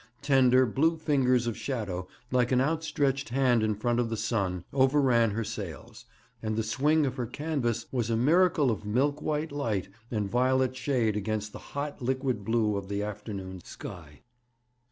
Tender, blue fingers of shadow, like an outstretched hand in front of the sun, overran her sails, and the swing of her canvas was a miracle of milk white light and violet shade against the hot liquid blue of the afternoon sky.